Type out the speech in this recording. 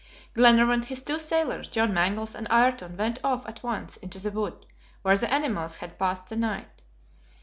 Glenarvan, his two sailors, John Mangles, and Ayrton went off at once into the wood, where the animals had passed the night.